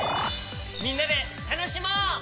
みんなでたのしもう！